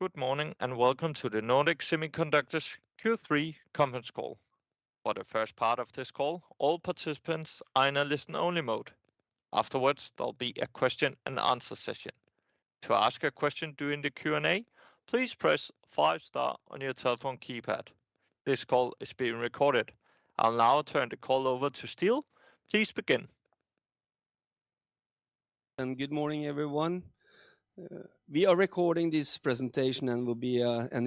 Good morning, and welcome to the Nordic Semiconductor Q3 conference call. For the first part of this call, all participants are in a listen-only mode. Afterwards, there'll be a question-and-answer session. To ask a question during the Q&A, please press five star on your telephone keypad. This call is being recorded. I'll now turn the call over to Ståle. Please begin. Good morning, everyone. We are recording this presentation, and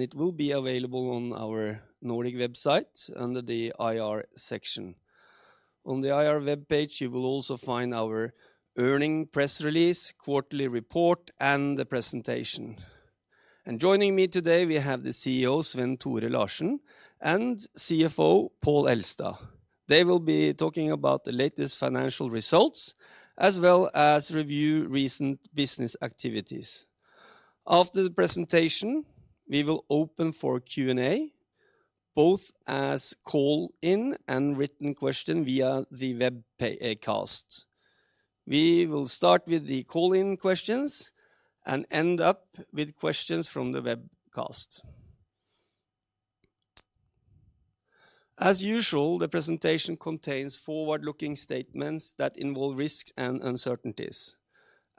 it will be available on our Nordic website under the IR section. On the IR webpage, you will also find our earnings press release, quarterly report, and the presentation. Joining me today, we have the CEO, Svenn-Tore Larsen, and CFO, Pål Elstad. They will be talking about the latest financial results, as well as review recent business activities. After the presentation, we will open for Q&A, both as call in and written question via the webcast. We will start with the call-in questions and end up with questions from the webcast. As usual, the presentation contains forward-looking statements that involve risks and uncertainties.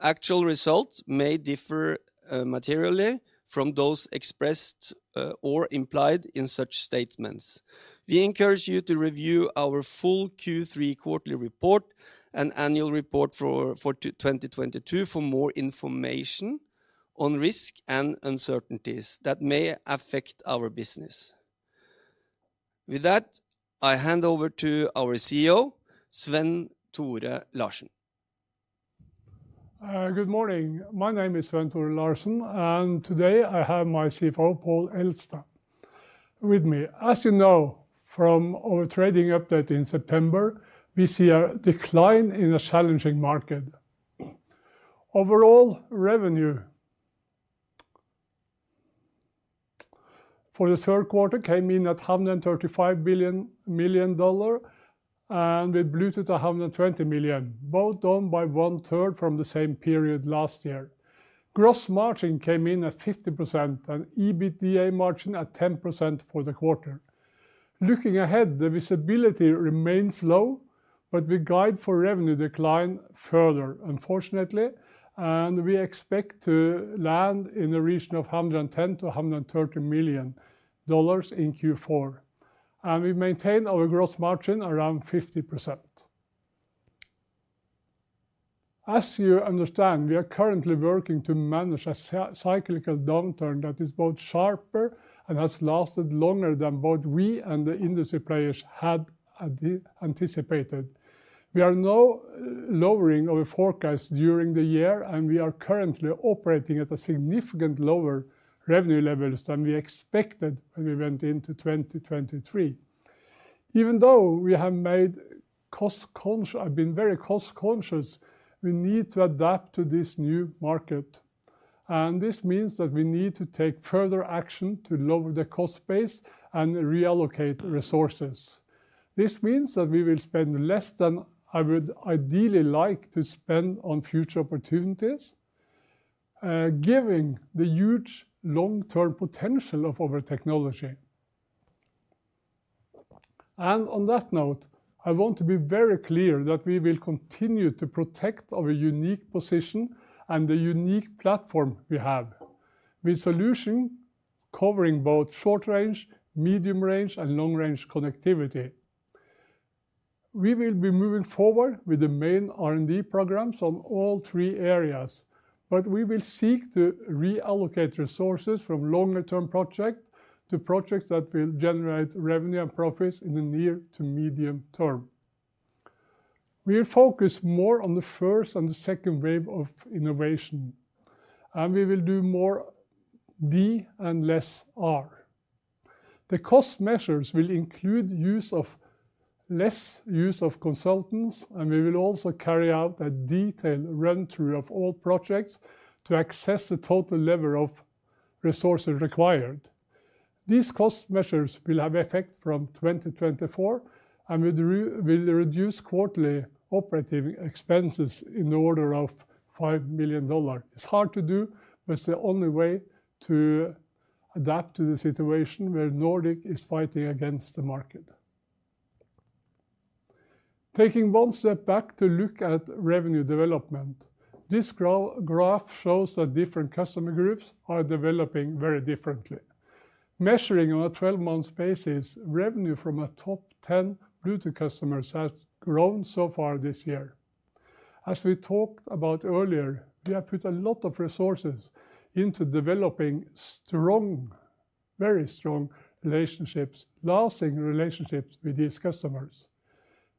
Actual results may differ materially from those expressed or implied in such statements. We encourage you to review our full Q3 quarterly report and annual report for 2022 for more information on risk and uncertainties that may affect our business. With that, I hand over to our CEO, Svenn-Tore Larsen. Good morning. My name is Svenn-Tore Larsen, and today I have my CFO, Pål Elstad, with me. As you know from our trading update in September, we see a decline in a challenging market. Overall, revenue for the Q3 came in at $135 million, and Bluetooth $120 million, both down by 1/3 from the same period last year. Gross margin came in at 50% and EBITDA margin at 10% for the quarter. Looking ahead, the visibility remains low, but we guide for revenue decline further, unfortunately, and we expect to land in the region of $110 million-$130 million in Q4, and we maintain our gross margin around 50%. As you understand, we are currently working to manage a cyclical downturn that is both sharper and has lasted longer than both we and the industry players had anticipated. We are now lowering our forecast during the year, and we are currently operating at significantly lower revenue levels than we expected when we went into 2023. Even though we have been very cost-conscious, we need to adapt to this new market, and this means that we need to take further action to lower the cost base and reallocate resources. This means that we will spend less than I would ideally like to spend on future opportunities, given the huge long-term potential of our technology. On that note, I want to be very clear that we will continue to protect our unique position and the unique platform we have, with solution covering both short range, medium range, and long range connectivity. We will be moving forward with the main R&D programs on all three areas, but we will seek to reallocate resources from longer term project to projects that will generate revenue and profits in the near to medium term. We focus more on the first and the second wave of innovation, and we will do more D and less R. The cost measures will include less use of consultants, and we will also carry out a detailed run-through of all projects to assess the total level of resources required. These cost measures will have effect from 2024, and will reduce quarterly operative expenses in the order of $5 million. It's hard to do, but it's the only way to adapt to the situation where Nordic is fighting against the market. Taking one step back to look at revenue development, this graph shows that different customer groups are developing very differently. Measuring on a 12-month basis, revenue from our top 10 Bluetooth customers has grown so far this year. As we talked about earlier, we have put a lot of resources into developing strong, very strong relationships, lasting relationships with these customers.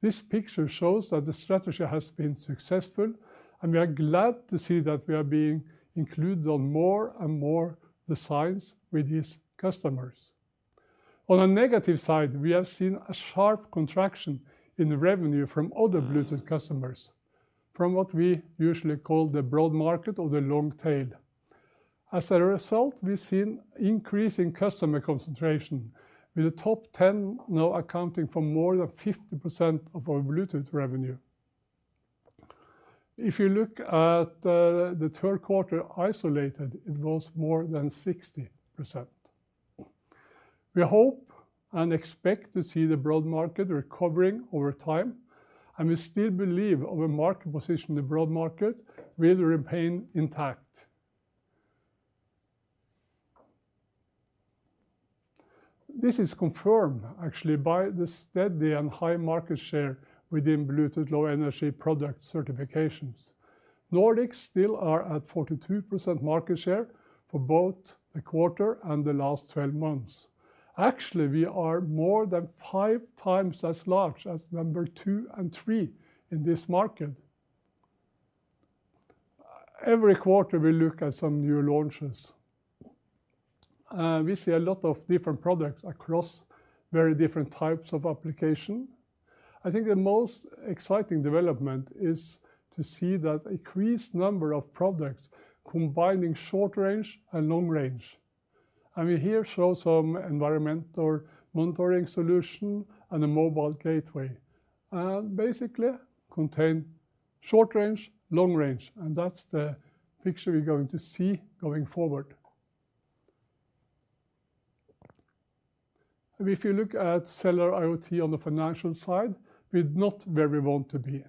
This picture shows that the strategy has been successful, and we are glad to see that we are being included on more and more designs with these customers. On a negative side, we have seen a sharp contraction in the revenue from other Bluetooth customers, from what we usually call the broad market or the long tail. As a result, we've seen increase in customer concentration, with the top 10 now accounting for more than 50% of our Bluetooth revenue. If you look at the Q3 isolated, it was more than 60%. We hope and expect to see the broad market recovering over time, and we still believe our market position in the broad market will remain intact. This is confirmed actually by the steady and high market share within Bluetooth Low Energy product certifications. Nordic still are at 42% market share for both the quarter and the last 12months. Actually, we are more than five times as large as number two and three in this market. Every quarter, we look at some new launches. We see a lot of different products across very different types of application. I think the most exciting development is to see that increased number of products combining short range and long range. We here show some environmental monitoring solution and a mobile gateway, and basically contain short range, long range, and that's the picture we're going to see going forward. If you look at Cellular IoT on the financial side, we're not where we want to be.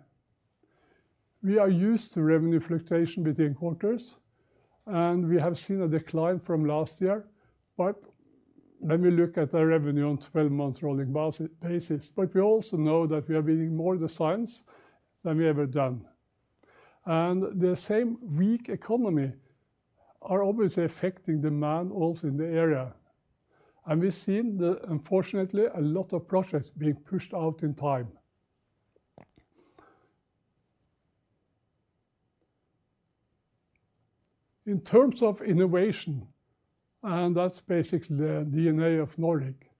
We are used to revenue fluctuation between quarters, and we have seen a decline from last year, but when we look at the revenue on 12-month rolling basis, but we also know that we are winning more designs than we ever done. The same weak economy is obviously affecting demand also in the area, and we've seen that unfortunately, a lot of projects being pushed out in time. In terms of innovation, and that's basically the DNA of Nordic,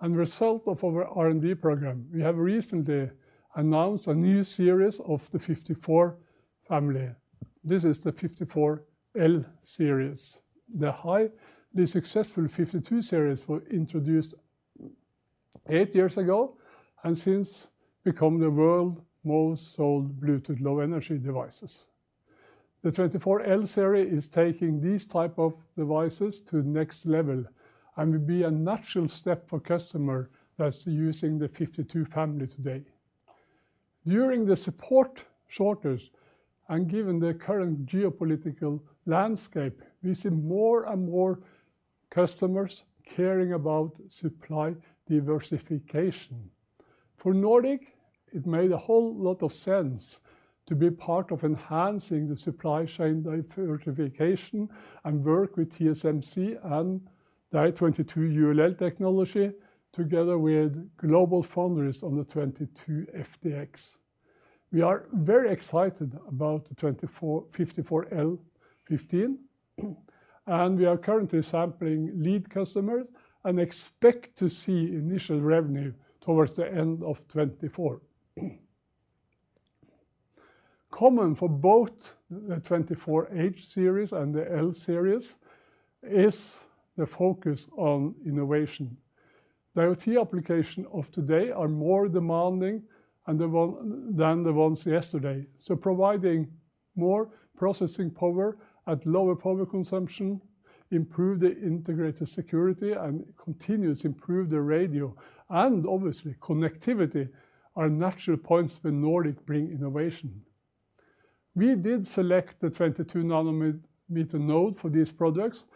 and a result of our R&D program, we have recently announced a new series of the 54 family. This is the 54L series. The successful 52 series were introduced eight years ago, and since become the world's most sold Bluetooth Low Energy devices. The 54L series is taking these type of devices to the next level and will be a natural step for customer that's using the 52 family today. During the supply shortage and given the current geopolitical landscape, we see more and more customers caring about supply diversification. For Nordic, it made a whole lot of sense to be part of enhancing the supply chain diversification and work with TSMC and the i22 ULL technology, together with GlobalFoundries on the 22FDX. We are very excited about the nRF54L15, and we are currently sampling lead customers and expect to see initial revenue towards the end of 2024. Common for both the nRF54H series and the L series is the focus on innovation. The IoT application of today are more demanding than the ones yesterday. So providing more processing power at lower power consumption, improve the integrated security, and continuously improve the radio, and obviously, connectivity are natural points where Nordic bring innovation. We did select the 22-nanometer node for these products,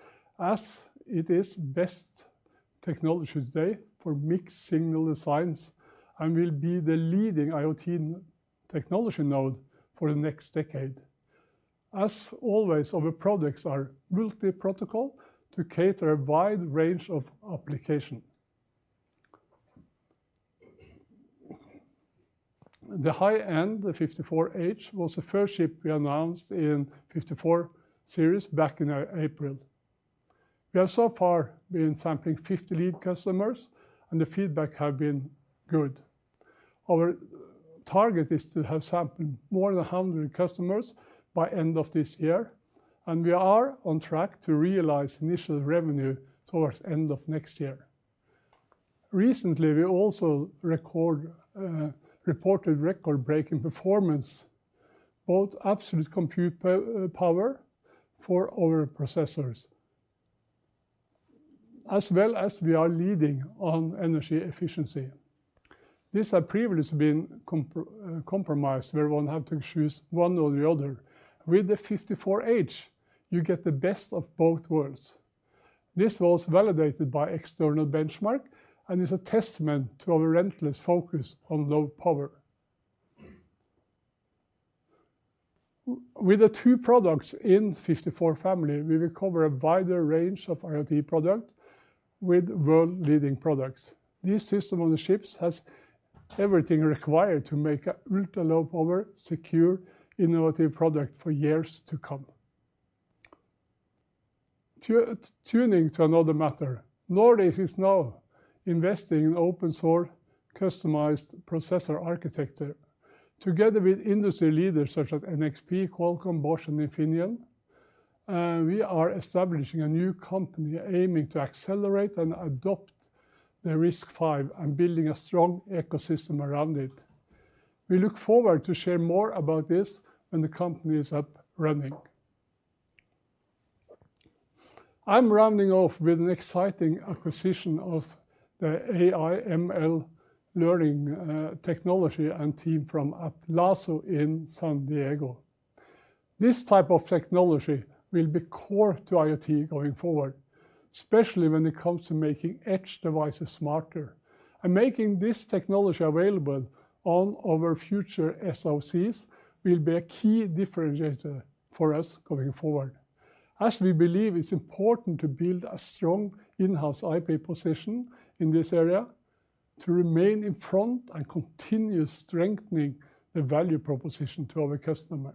as it is best technology today for mixed signal designs and will be the leading IoT technology node for the next decade. As always, our products are multi-protocol to cater a wide range of application. The high end, the 54H, was the first chip we announced in 54 Series back in April. We have so far been sampling 50 lead customers, and the feedback have been good. Our target is to have sampled more than 100 customers by end of this year, and we are on track to realize initial revenue towards end of next year. Recently, we also reported record-breaking performance, both absolute compute power for our processors, as well as we are leading on energy efficiency. This had previously been compromised, where one had to choose one or the other. With the 54H, you get the best of both worlds. This was validated by external benchmark and is a testament to our relentless focus on low power. With the two products in 54 family, we will cover a wider range of IoT product with world-leading products. This system on the chips has everything required to make a ultra-low power, secure, innovative product for years to come. Turning to another matter, Nordic is now investing in open source, customized processor architecture. Together with industry leaders such as NXP, Qualcomm, Bosch, and Infineon, we are establishing a new company aiming to accelerate and adopt the RISC-V and building a strong ecosystem around it. We look forward to share more about this when the company is up running. I'm rounding off with an exciting acquisition of the AI/ML learning, technology and team from Atlazo in San Diego. This type of technology will be core to IoT going forward, especially when it comes to making edge devices smarter, and making this technology available on our future SoCs will be a key differentiator for us going forward. As we believe it's important to build a strong in-house IP position in this area, to remain in front and continue strengthening the value proposition to our customers.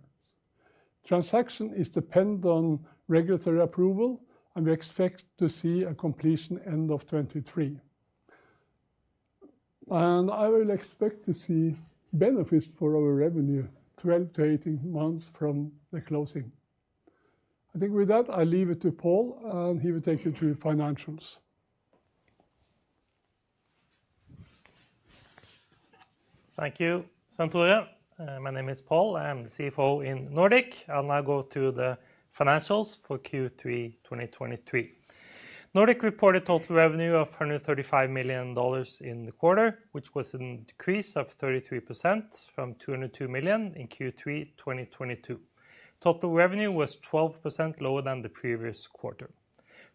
Transaction is dependent on regulatory approval, and we expect to see a completion end of 2023. I will expect to see benefits for our revenue 12-18 months from the closing. I think with that, I leave it to Pål, and he will take you through financials. Thank you, Svenn-Tore. My name is Pål. I'm the CFO in Nordic. I'll now go through the financials for Q3 2023. Nordic reported total revenue of $135 million in the quarter, which was a decrease of 33% from $202 million in Q3 2022. Total revenue was 12% lower than the previous quarter.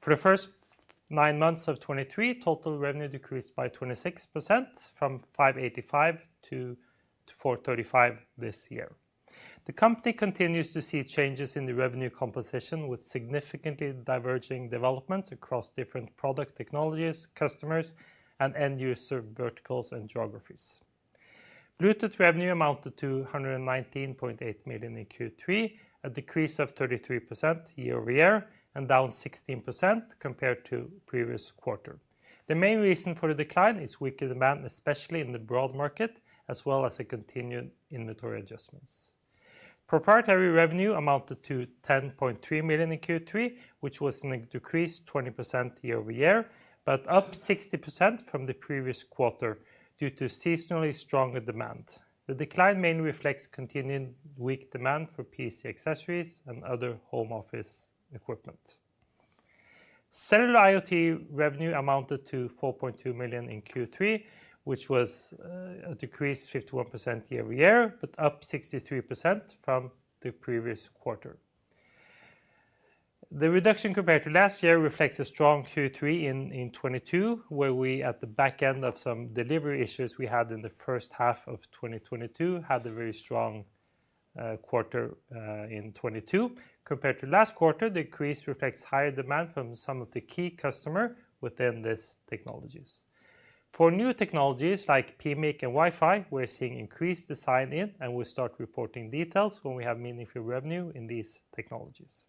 For the first nine months of 2023, total revenue decreased by 26%, from $585 million to $435 million this year. The company continues to see changes in the revenue composition, with significantly diverging developments across different product technologies, customers, and end user verticals and geographies. Bluetooth revenue amounted to $119.8 million in Q3, a decrease of 33% year-over-year, and down 16% compared to previous quarter. The main reason for the decline is weaker demand, especially in the broad market, as well as a continued inventory adjustments. Proprietary revenue amounted to $10.3 million in Q3, which was a decrease 20% year-over-year, but up 60% from the previous quarter due to seasonally stronger demand. The decline mainly reflects continuing weak demand for PC accessories and other home office equipment. Cellular IoT revenue amounted to $4.2 million in Q3, which was a decrease 51% year-over-year, but up 63% from the previous quarter. The reduction compared to last year reflects a strong Q3 in 2022, where we, at the back end of some delivery issues we had in the first half of 2022, had a very strong quarter in 2022. Compared to last quarter, the decrease reflects higher demand from some of the key customer within these technologies. For new technologies like PMIC and Wi-Fi, we're seeing increased design-in, and we'll start reporting details when we have meaningful revenue in these technologies.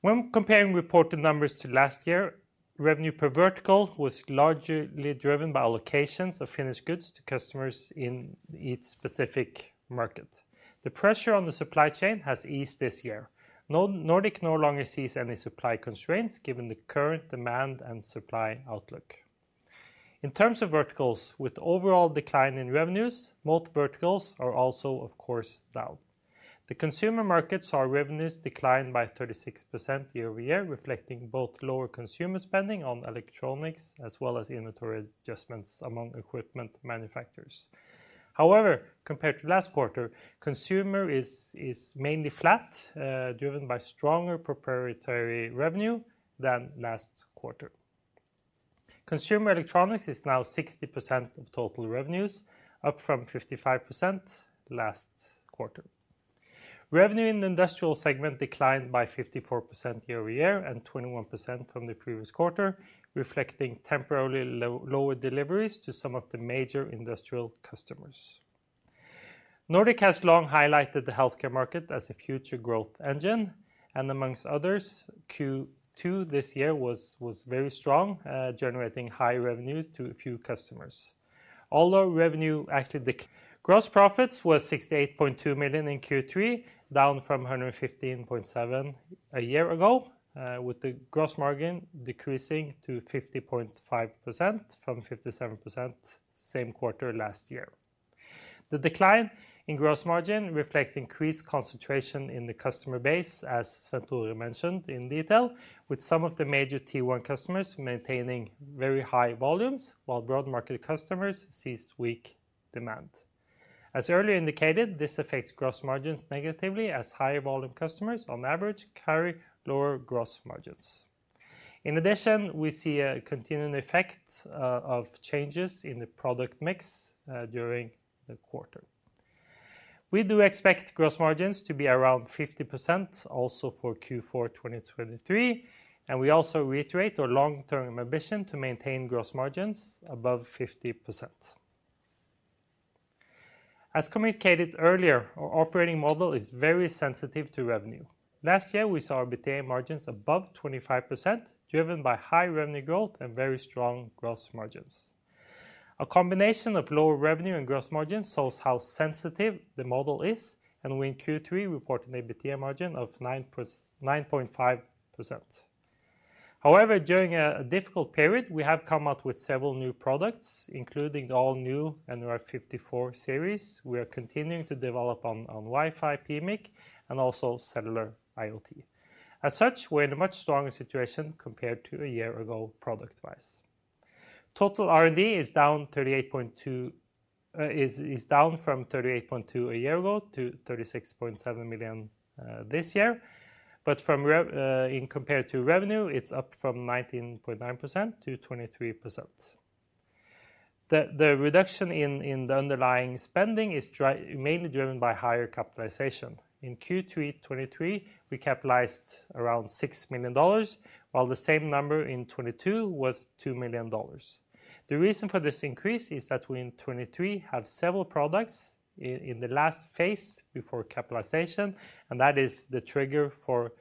When comparing reported numbers to last year, revenue per vertical was largely driven by allocations of finished goods to customers in each specific market. The pressure on the supply chain has eased this year. Nordic no longer sees any supply constraints, given the current demand and supply outlook. In terms of verticals, with overall decline in revenues, most verticals are also, of course, down. The consumer markets, our revenues declined by 36% year-over-year, reflecting both lower consumer spending on electronics as well as inventory adjustments among equipment manufacturers. However, compared to last quarter, consumer is mainly flat, driven by stronger proprietary revenue than last quarter. Consumer electronics is now 60% of total revenues, up from 55% last quarter. Revenue in the industrial segment declined by 54% year-over-year, and 21% from the previous quarter, reflecting temporarily lower deliveries to some of the major industrial customers. Nordic has long highlighted the healthcare market as a future growth engine, and amongst others, Q2 this year was very strong, generating high revenue to a few customers. Gross profits were $68.2 million in Q3, down from $115.7 million a year ago, with the gross margin decreasing to 50.5% from 57% same quarter last year. The decline in gross margin reflects increased concentration in the customer base, as Svenn-Tore mentioned in detail, with some of the major Tier One customers maintaining very high volumes, while broad market customers sees weak demand. As earlier indicated, this affects gross margins negatively, as higher volume customers, on average, carry lower gross margins. In addition, we see a continuing effect of changes in the product mix during the quarter. We do expect gross margins to be around 50% also for Q4 2023, and we also reiterate our long-term ambition to maintain gross margins above 50%. As communicated earlier, our operating model is very sensitive to revenue. Last year, we saw our EBITDA margins above 25%, driven by high revenue growth and very strong gross margins. A combination of lower revenue and gross margins shows how sensitive the model is, and we, in Q3, reported an EBITDA margin of 9.5%. However, during a difficult period, we have come out with several new products, including the all-new nRF54 Series. We are continuing to develop on Wi-Fi PMIC and also Cellular IoT. As such, we're in a much stronger situation compared to a year ago, product-wise. Total R&D is down from $38.2 million a year ago to $36.7 million this year, but compared to revenue, it's up from 19.9% to 23%. The reduction in the underlying spending is mainly driven by higher capitalization. In Q3 2023, we capitalized around $6 million, while the same number in 2022 was $2 million. The reason for this increase is that we, in 2023, have several products in the last phase before capitalization, and that is the trigger for,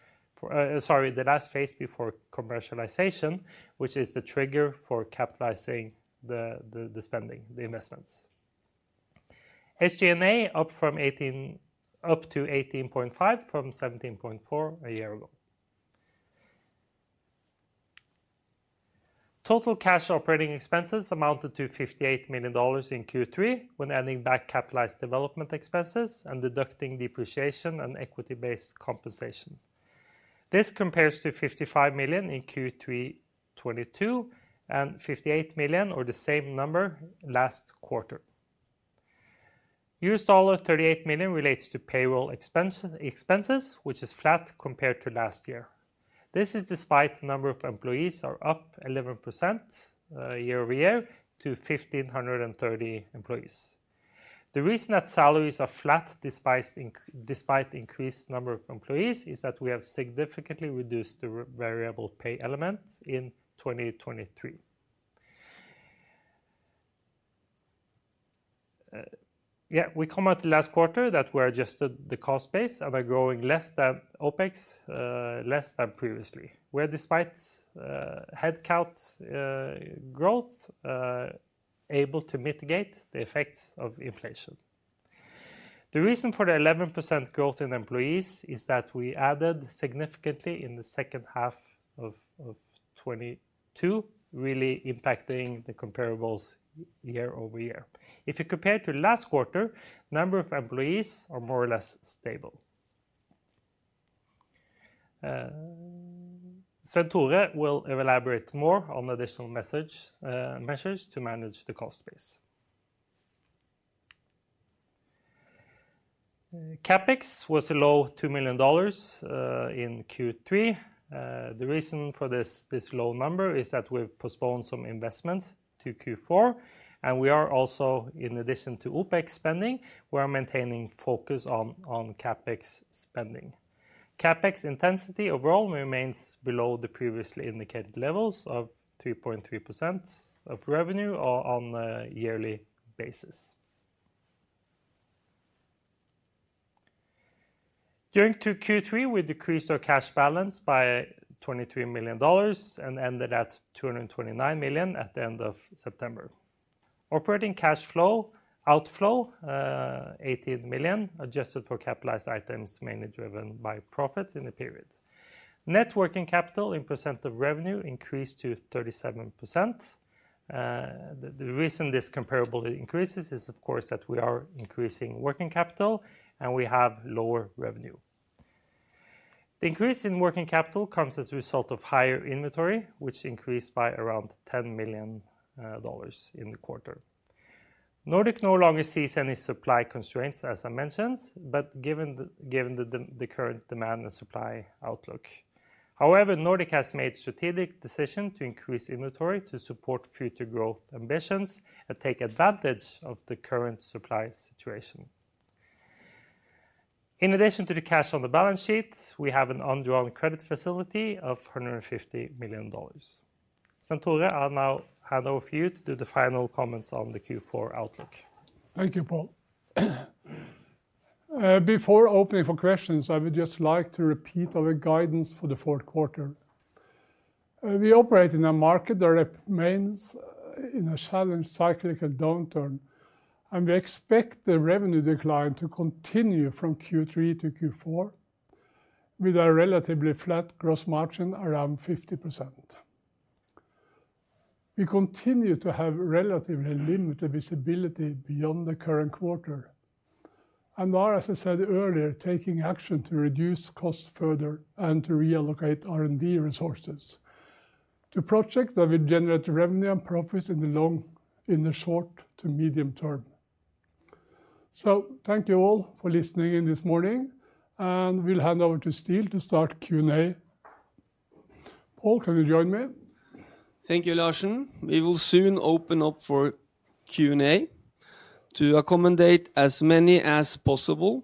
sorry, the last phase before commercialization, which is the trigger for capitalizing the spending, the investments. SG&A, up to 18.5 from 17.4 a year ago. Total cash operating expenses amounted to $58 million in Q3, when adding back capitalized development expenses and deducting depreciation and equity-based compensation. This compares to $55 million in Q3 2022 and $58 million, or the same number, last quarter. $38 million relates to payroll expenses, which is flat compared to last year. This is despite the number of employees are up 11%, year-over-year, to 1,530 employees. The reason that salaries are flat, despite the increased number of employees, is that we have significantly reduced the variable pay element in 2023. Yeah, we commented last quarter that we adjusted the cost base and are growing less than OpEx, less than previously, where despite headcount growth, able to mitigate the effects of inflation. The reason for the 11% growth in employees is that we added significantly in the second half of 2022, really impacting the comparables year-over-year. If you compare to last quarter, number of employees are more or less stable. Svenn-Tore will elaborate more on additional measures to manage the cost base. CapEx was a low $2 million in Q3. The reason for this low number is that we've postponed some investments to Q4, and we are also, in addition to OpEx spending, we are maintaining focus on CapEx spending. CapEx intensity overall remains below the previously indicated levels of 2.3% of revenue on a yearly basis. During Q3, we decreased our cash balance by $23 million and ended at $229 million at the end of September. Operating cash flow outflow $18 million, adjusted for capitalized items, mainly driven by profits in the period. Net working capital in percent of revenue increased to 37%. The reason this comparably increases is, of course, that we are increasing working capital, and we have lower revenue. The increase in working capital comes as a result of higher inventory, which increased by around $10 million in the quarter. Nordic no longer sees any supply constraints, as I mentioned, but given the current demand and supply outlook. However, Nordic has made strategic decision to increase inventory to support future growth ambitions and take advantage of the current supply situation. In addition to the cash on the balance sheet, we have an undrawn credit facility of $150 million. Svenn-Tore, I'll now hand over to you to do the final comments on the Q4 outlook. Thank you, Pål. Before opening for questions, I would just like to repeat our guidance for the Q4. We operate in a market that remains in a challenging cyclical downturn, and we expect the revenue decline to continue from Q3 to Q4, with a relatively flat gross margin around 50%. We continue to have relatively limited visibility beyond the current quarter and are, as I said earlier, taking action to reduce costs further and to reallocate R&D resources to projects that will generate revenue and profits in the short to medium term. So thank you all for listening in this morning, and we'll hand over to Stale to start Q&A. Pål, can you join me? Thank you, Larsen. We will soon open up for Q&A. To accommodate as many as possible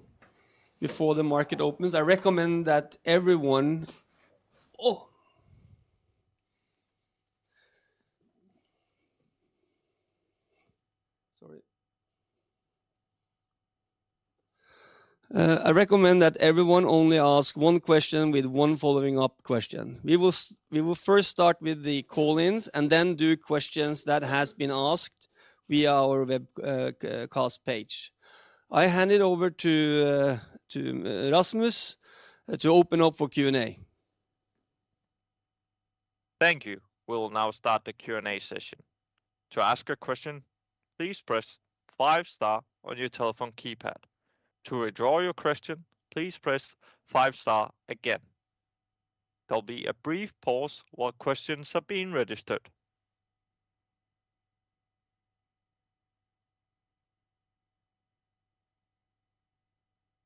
before the market opens, I recommend that everyone... Oh! ... I recommend that everyone only ask one question with one following-up question. We will first start with the call-ins, and then do questions that has been asked via our webcast's page. I hand it over to Rasmus to open up for Q&A. Thank you. We'll now start the Q&A session. To ask a question, please press five star on your telephone keypad. To withdraw your question, please press five star again. There'll be a brief pause while questions are being registered.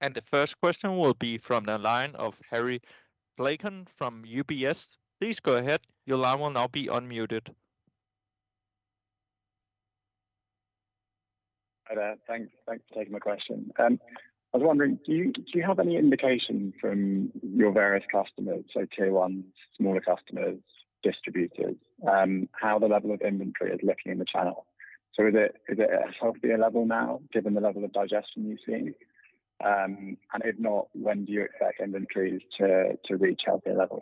The first question will be from the line of Harry Blaiklock from UBS. Please go ahead, your line will now be unmuted. Hi, there. Thanks, thanks for taking my question. I was wondering, do you have any indication from your various customers, like tier ones, smaller customers, distributors, how the level of inventory is looking in the channel? So is it a healthier level now, given the level of digestion you've seen? And if not, when do you expect inventories to reach healthier levels?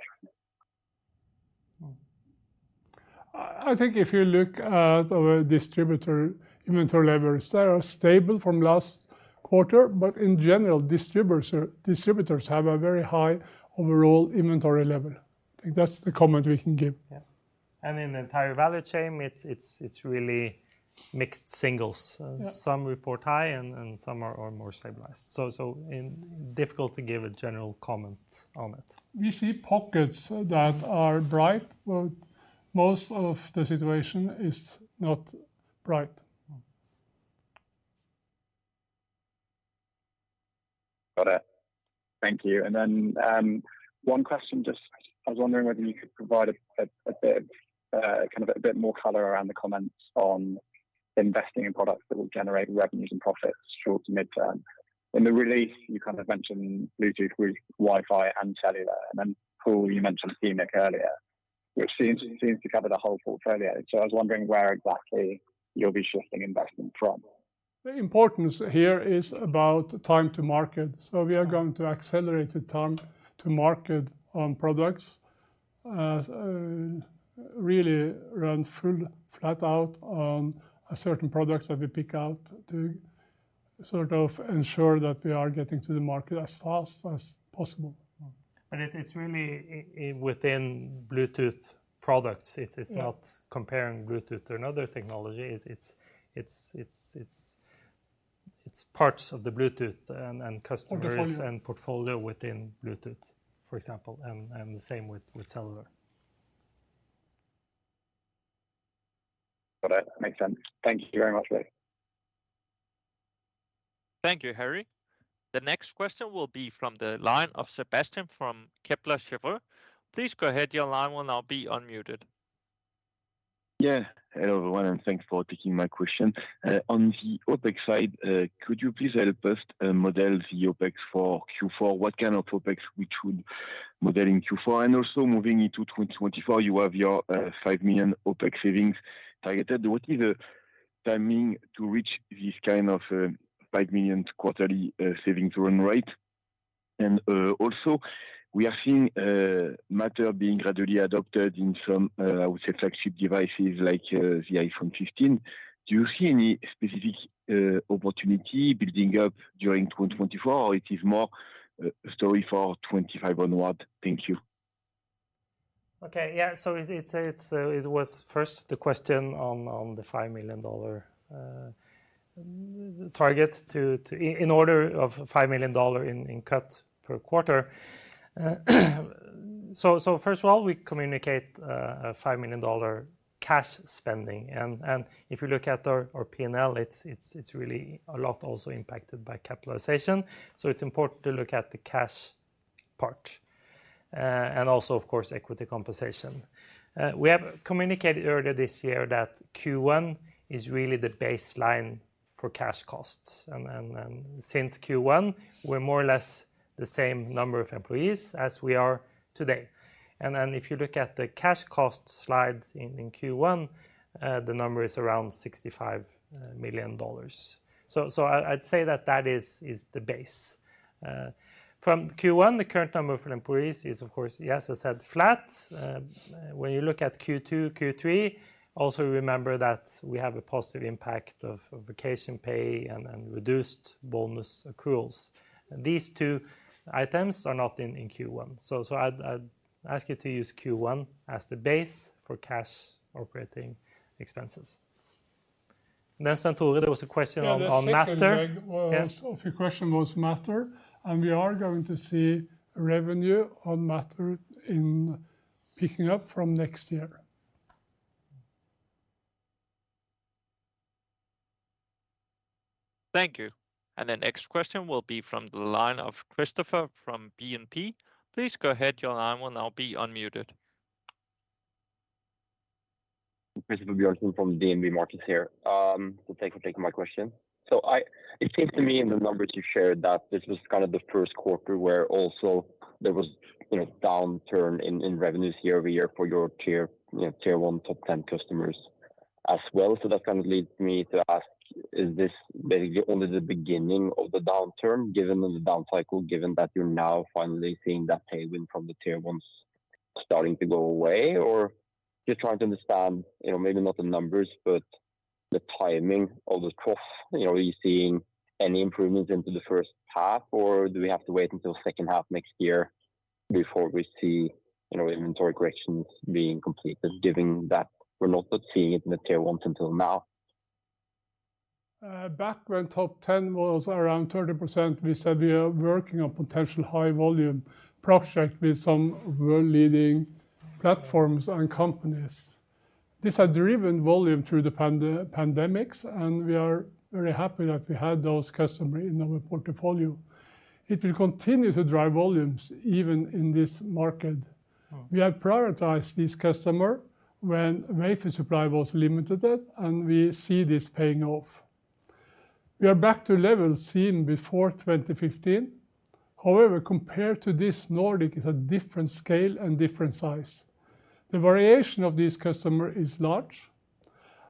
I think if you look at our distributor inventory levels, they are stable from last quarter. But in general, distributors have a very high overall inventory level. I think that's the comment we can give. Yeah. And in the entire value chain, it's really mixed singles. Yeah. Some report high and some are more stabilized. So difficult to give a general comment on it. We see pockets that are bright, but most of the situation is not bright. Got it. Thank you. And then, one question, just I was wondering whether you could provide a bit more color around the comments on investing in products that will generate revenues and profits short to midterm. In the release, you kind of mentioned Bluetooth, Wi-Fi, and cellular, and then, Pal, you mentioned PMIC earlier, which seems to cover the whole portfolio. So I was wondering where exactly you'll be shifting investment from? The importance here is about time to market, so we are going to accelerate the time to market on products. Really run full flat out on certain products that we pick out to sort of ensure that we are getting to the market as fast as possible. And it's really within Bluetooth products. Yeah. It is not comparing Bluetooth to another technology. It's parts of the Bluetooth and customers- Portfolio... and portfolio within Bluetooth, for example, and the same with cellular. Got it. Makes sense. Thank you very much, guys. Thank you, Harry. The next question will be from the line of Sébastien from Kepler Cheuvreux. Please go ahead, your line will now be unmuted. Yeah. Hello, everyone, and thanks for taking my question. On the OpEx side, could you please help us model the OpEx for Q4? What kind of OpEx we should model in Q4, and also moving into 2024, you have your $5 million OpEx savings targeted. What is the timing to reach this kind of $5 million quarterly savings run rate? And also, we are seeing Matter being gradually adopted in some, I would say, flagship devices like the iPhone 15. Do you see any specific opportunity building up during 2024, or it is more a story for 2025 onward? Thank you. Okay, yeah. So it's it was first the question on the five million dollar target to in order of five million dollar in cut per quarter. So first of all, we communicate a $5 million cash spending, and if you look at our P&L, it's really a lot also impacted by capitalization. So it's important to look at the cash part, and also, of course, equity compensation. We have communicated earlier this year that Q1 is really the baseline for cash costs, and then, since Q1, we're more or less the same number of employees as we are today. And then, if you look at the cash cost slide in Q1, the number is around $65 million. So I'd say that that is the base. From Q1, the current number of employees is, of course, yes, as I said, flat. When you look at Q2, Q3, also remember that we have a positive impact of vacation pay and reduced bonus accruals. These two items are not in Q1, so I'd ask you to use Q1 as the base for cash operating expenses. And then, Svenn-Tore, there was a question on Matter? Yeah, the second, Yes... of your question was Matter, and we are going to see revenue on Matter in picking up from next year. Thank you. The next question will be from the line of Christoffer from DNB. Please go ahead, your line will now be unmuted. Christoffer Bjørnsen from DNB Markets here. So thank you for taking my question. So it seems to me in the numbers you shared, that this was kind of the Q1 where also there was-... you know, downturn in revenues year-over-year for your tier, you know, tier one top 10 customers as well. So that kind of leads me to ask, is this maybe only the beginning of the downturn, given the down cycle, given that you're now finally seeing that tailwind from the tier ones starting to go away? Or just trying to understand, you know, maybe not the numbers, but the timing of the trough. You know, are you seeing any improvements into the first half, or do we have to wait until second half next year before we see, you know, inventory corrections being completed, given that we're not seeing it in the tier one until now? Back when top 10 was around 30%, we said we are working on potential high volume project with some world-leading platforms and companies. These are driven volume through the pandemics, and we are very happy that we had those customer in our portfolio. It will continue to drive volumes even in this market. Mm. We have prioritized this customer when wafer supply was limited, and we see this paying off. We are back to levels seen before 2015. However, compared to this, Nordic is a different scale and different size. The variation of this customer is large,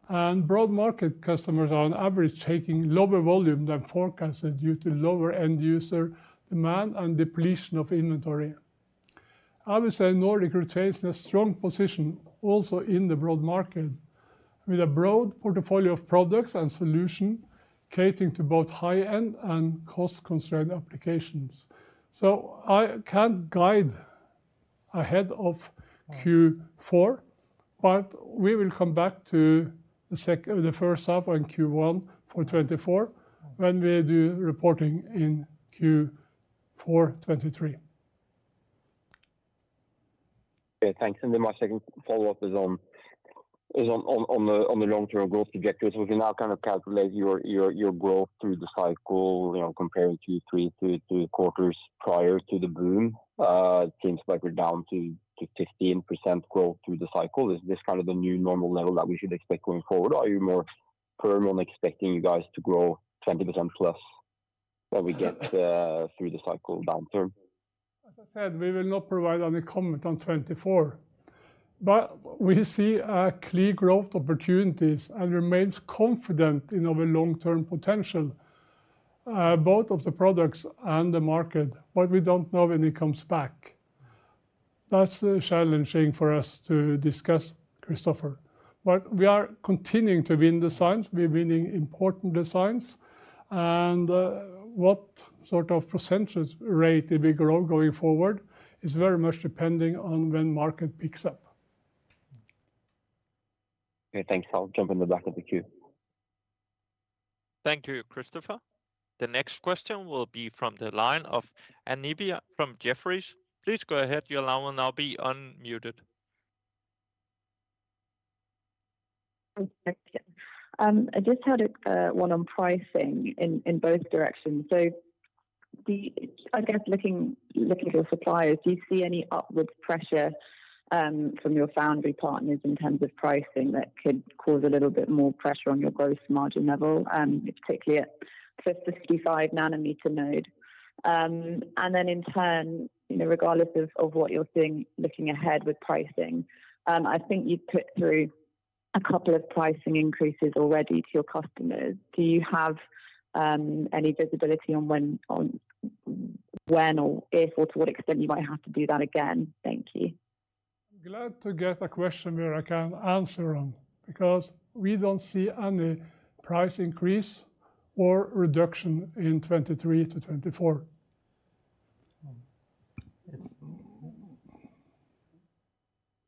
and broad market customers are on average taking lower volume than forecasted due to lower end user demand and depletion of inventory. I would say Nordic retains a strong position also in the broad market, with a broad portfolio of products and solution, catering to both high-end and cost-constrained applications. So I can't guide ahead of Q4, but we will come back to the first half and Q1 for 2024 when we do reporting in Q4 2023. Okay, thanks. Then my second follow-up is on the long-term growth trajectory. We can now kind of calculate your growth through the cycle, you know, comparing Q3 to quarters prior to the boom. It seems like we're down to 15% growth through the cycle. Is this kind of the new normal level that we should expect going forward? Are you more firm on expecting you guys to grow 20%+ when we get through the cycle downturn? As I said, we will not provide any comment on 2024. But we see clear growth opportunities and remains confident in our long-term potential, both of the products and the market, but we don't know when it comes back. That's challenging for us to discuss, Christoffer. But we are continuing to win designs. We're winning important designs, and what sort of percentage rate that we grow going forward is very much depending on when market picks up. Okay, thanks. I'll jump in the back of the queue. Thank you, Christoffer. The next question will be from the line of Om Bakhda from Jefferies. Please go ahead. Your line will now be unmuted. Thank you. I just had a one on pricing in both directions. So I guess looking at your suppliers, do you see any upward pressure from your foundry partners in terms of pricing that could cause a little bit more pressure on your gross margin level, particularly at 55 nanometer node? And then in turn, you know, regardless of what you're doing, looking ahead with pricing, I think you've put through a couple of pricing increases already to your customers. Do you have any visibility on when, or if, or to what extent you might have to do that again? Thank you. Glad to get a question where I can answer on, because we don't see any price increase or reduction in 2023 to 2024. Um, it's-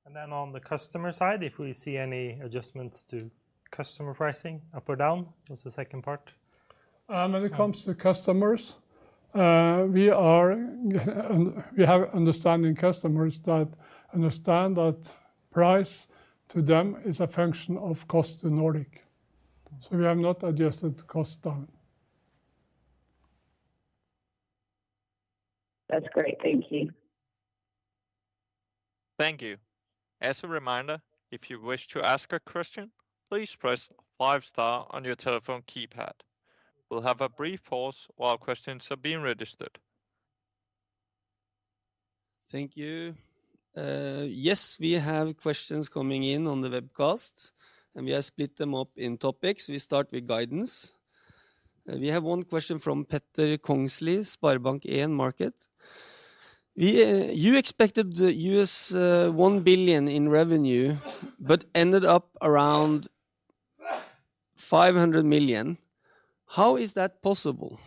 And then on the customer side, if we see any adjustments to customer pricing, up or down, what's the second part? When it comes to customers, we are, we have understanding customers that understand that price to them is a function of cost to Nordic. So we have not adjusted cost down. That's great. Thank you. Thank you. As a reminder, if you wish to ask a question, please press five star on your telephone keypad. We'll have a brief pause while questions are being registered. Thank you. Yes, we have questions coming in on the webcast, and we have split them up in topics. We start with guidance. We have one question from Petter Kongslie, SpareBank 1 Markets. You expected $1 billion in revenue, but ended up around $500 million. How is that possible?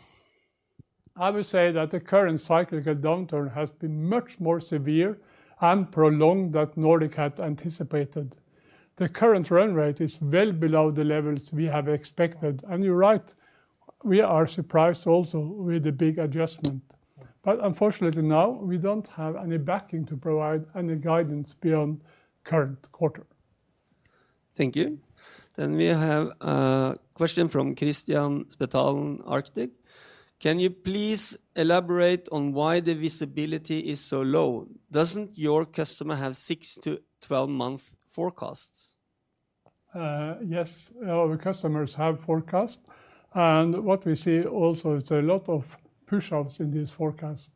I would say that the current cyclical downturn has been much more severe and prolonged than Nordic had anticipated. The current run rate is well below the levels we have expected. You're right, we are surprised also with the big adjustment. Unfortunately, now, we don't have any backing to provide any guidance beyond current quarter. Thank you. Then we have a question from Kristian Spetalen, Arctic: Can you please elaborate on why the visibility is so low? Doesn't your customer have six to 12-month forecasts? Yes, our customers have forecast, and what we see also is a lot of push outs in this forecast,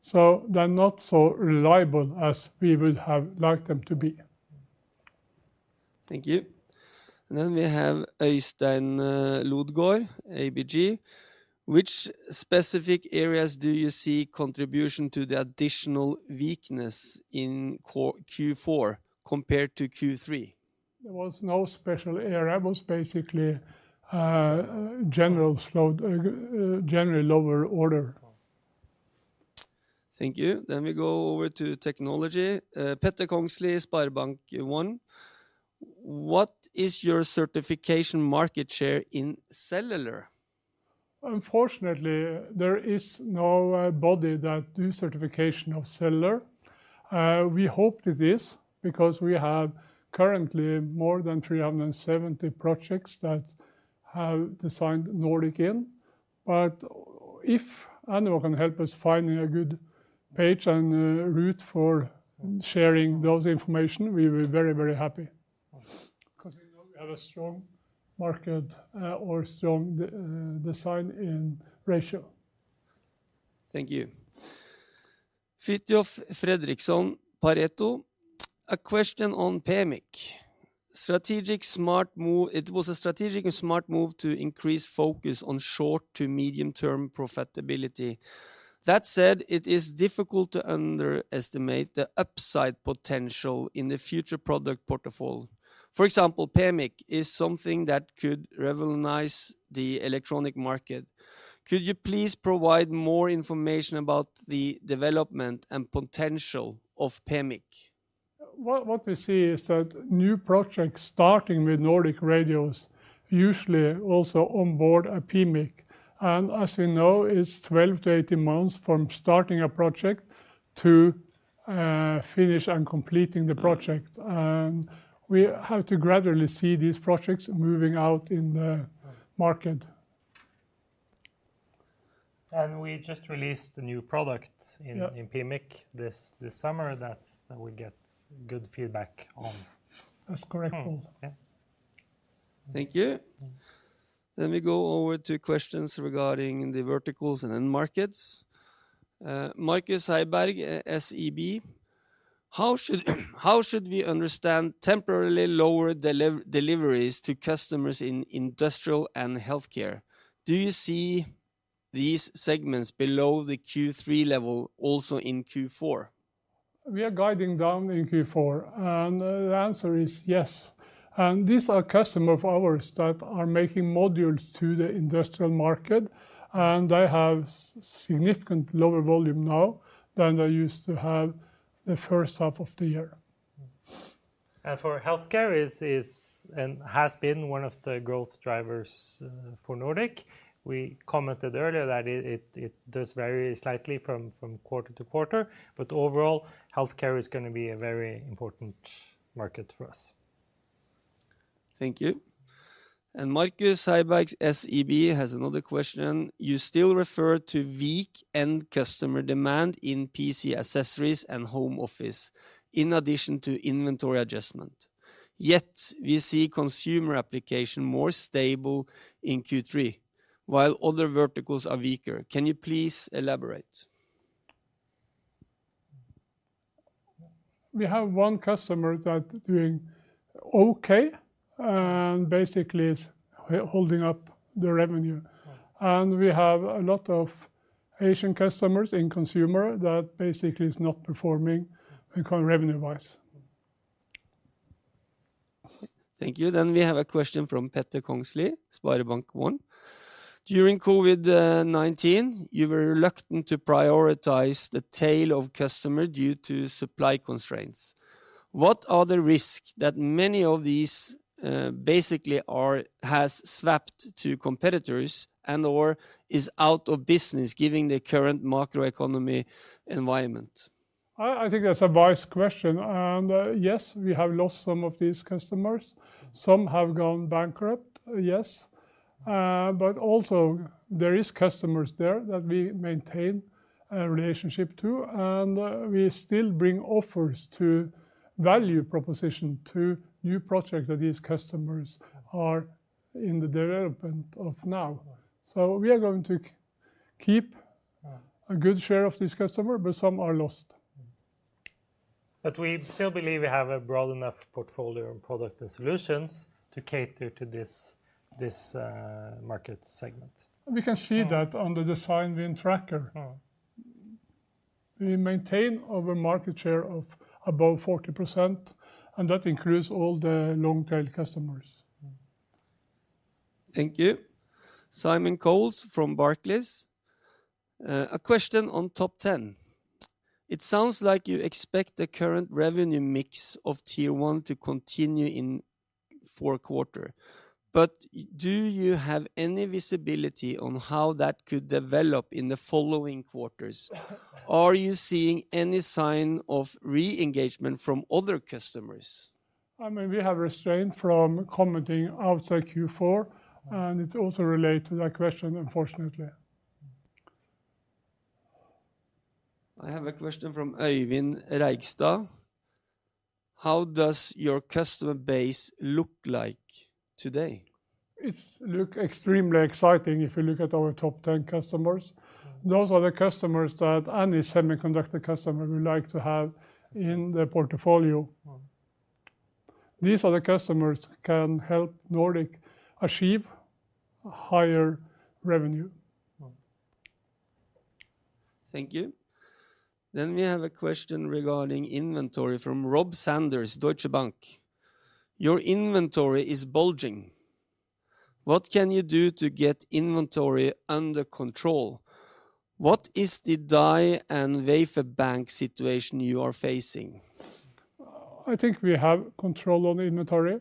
so they're not so reliable as we would have liked them to be. Thank you. And then we have Øystein Lodgaard, ABG: Which specific areas do you see contribution to the additional weakness in Q4 compared to Q3? There was no special area. It was basically generally lower order. Thank you. Then we go over to technology. Petter Kongslie, SpareBank 1 Markets: What is your certification market share in cellular? Unfortunately, there is no body that do certification of cellular. We hope there is, because we have currently more than 370 projects that have designed Nordic in. But if anyone can help us finding a good page and route for sharing those information, we will be very, very happy. Because we know we have a strong market, or strong design in ratio. Thank you. Fridtjof Fredricsson, Pareto: A question on PMIC. Strategic smart move. It was a strategic and smart move to increase focus on short to medium-term profitability. That said, it is difficult to underestimate the upside potential in the future product portfolio. For example, PMIC is something that could revolutionize the electronic market. Could you please provide more information about the development and potential of PMIC? What, what we see is that new projects, starting with Nordic radios, usually also onboard a PMIC, and as we know, it's 12-18 months from starting a project to finish and completing the project. And we have to gradually see these projects moving out in the market. We just released a new product- Yeah... in PMIC this summer, that we get good feedback on. That's correct, Stale. Yeah. Thank you. Then we go over to questions regarding the verticals and end markets. Markus Heiberg, SEB: How should, how should we understand temporarily lower deliveries to customers in industrial and healthcare? Do you see these segments below the Q3 level also in Q4? We are guiding down in Q4, and the answer is yes. And these are customers of ours that are making modules to the industrial market, and they have significant lower volume now than they used to have the first half of the year. For healthcare, is and has been one of the growth drivers for Nordic. We commented earlier that it does vary slightly from quarter-to-quarter, but overall, healthcare is gonna be a very important market for us. Thank you. And Markus Heiberg, SEB, has another question: You still refer to weak end customer demand in PC accessories and home office, in addition to inventory adjustment. Yet, we see consumer application more stable in Q3, while other verticals are weaker. Can you please elaborate? We have one customer that doing okay, and basically is holding up the revenue. We have a lot of Asian customers in consumer, that basically is not performing revenue-wise. Thank you. Then we have a question from Petter Kongslie, SpareBank 1: During COVID-19, you were reluctant to prioritize the tail of customer due to supply constraints. What are the risks that many of these basically have swapped to competitors and/or are out of business, given the current macroeconomic environment? I think that's a wise question, and yes, we have lost some of these customers. Some have gone bankrupt, yes. But also there is customers there that we maintain a relationship to, and we still bring offers to value proposition to new projects that these customers are in the development of now. So we are going to keep- Yeah... a good share of this customer, but some are lost. But we still believe we have a broad enough portfolio and product and solutions to cater to this market segment. We can see that on the design win tracker. Uh. We maintain our market share of above 40%, and that includes all the long tail customers. Thank you. Simon Coles from Barclays. A question on top 10. It sounds like you expect the current revenue mix of tier one to continue in Q4, but do you have any visibility on how that could develop in the following quarters? Are you seeing any sign of re-engagement from other customers? I mean, we have restrained from commenting outside Q4, and it also relate to that question, unfortunately.... I have a question from Owen Reigstad. How does your customer base look like today? It looks extremely exciting if you look at our top 10 customers. Those are the customers that any semiconductor customer would like to have in their portfolio. Mm. These are the customers can help Nordic achieve a higher revenue. Thank you. Then we have a question regarding inventory from Rob Sanders, Deutsche Bank. Your inventory is bulging. What can you do to get inventory under control? What is the die and wafer bank situation you are facing? I think we have control on inventory.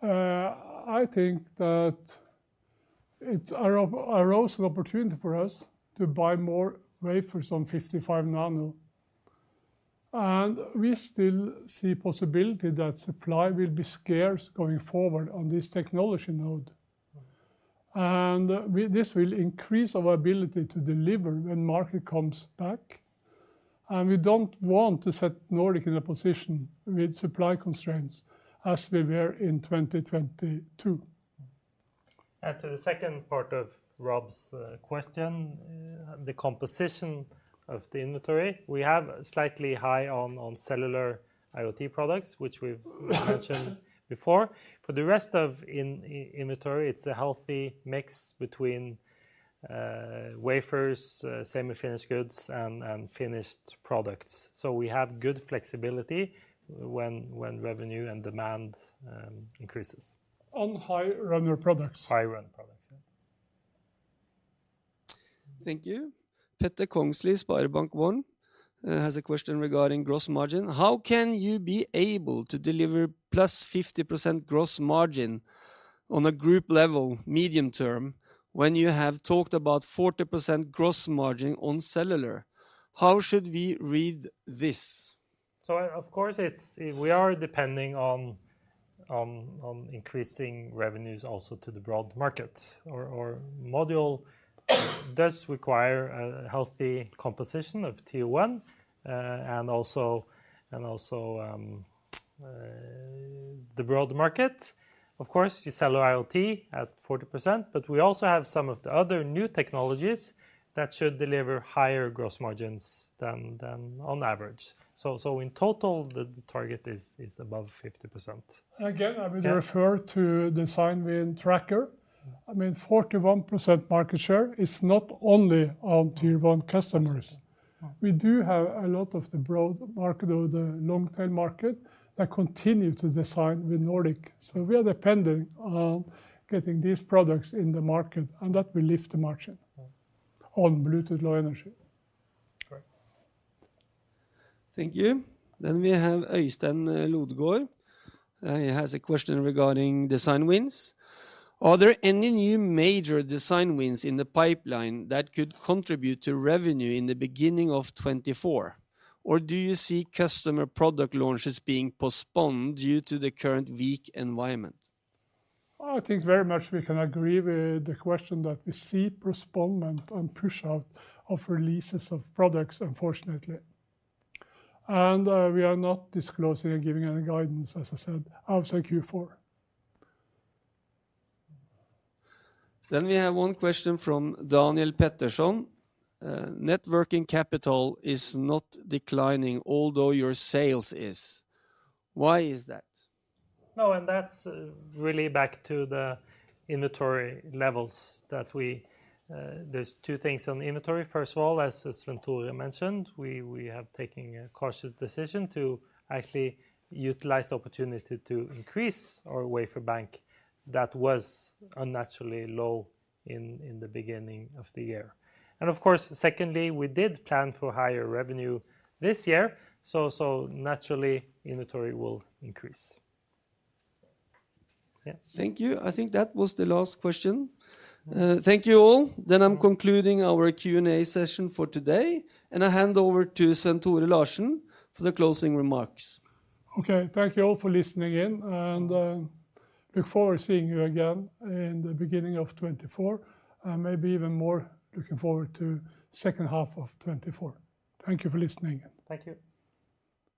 I think that it's arose an opportunity for us to buy more wafers on 55 nano. And we still see possibility that supply will be scarce going forward on this technology node. Right. And this will increase our ability to deliver when market comes back, and we don't want to set Nordic in a position with supply constraints as we were in 2022. Mm. To the second part of Rob's question, the composition of the inventory, we have slightly high on Cellular IoT products, which we've mentioned before. For the rest of the inventory, it's a healthy mix between wafers, semi-finished goods, and finished products. So we have good flexibility when revenue and demand increases. On high runner products. High run products, yeah. Thank you. Petter Kongslie, SpareBank 1, has a question regarding gross margin. How can you be able to deliver +50% gross margin on a group level, medium term, when you have talked about 40% gross margin on cellular? How should we read this? So, of course, it's. We are depending on increasing revenues also to the broad market. Our module does require a healthy composition of Tier 1 and also the broad market. Of course, you sell IoT at 40%, but we also have some of the other new technologies that should deliver higher gross margins than on average. So in total, the target is above 50%. Again- Yeah... I will refer to design win tracker. I mean, 41% market share is not only on Tier 1 customers. Absolutely. We do have a lot of the broad market or the long-tail market that continue to design with Nordic. So we are dependent on getting these products in the market, and that will lift the margin- Mm... on Bluetooth Low Energy. Correct. Thank you. Then we have Øystein Lodgaard, and he has a question regarding design wins. Are there any new major design wins in the pipeline that could contribute to revenue in the beginning of 2024? Or do you see customer product launches being postponed due to the current weak environment? I think very much we can agree with the question that we see postponement and push out of releases of products, unfortunately. We are not disclosing or giving any guidance, as I said, outside Q4. Then we have one question from Daniel Peterson. Net working capital is not declining, although your sales is. Why is that? No, and that's really back to the inventory levels that we... There's two things on the inventory. First of all, as Svenn-Tore mentioned, we have taken a cautious decision to actually utilize the opportunity to increase our wafer bank that was unnaturally low in the beginning of the year. And of course, secondly, we did plan for higher revenue this year, so naturally, inventory will increase. Yeah. Thank you. I think that was the last question. Thank you, all. Then I'm concluding our Q&A session for today, and I hand over to Svenn-Tore Larsen for the closing remarks. Okay. Thank you all for listening in, and look forward to seeing you again in the beginning of 2024, and maybe even more looking forward to second half of 2024. Thank you for listening. Thank you.